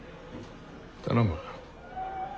頼む。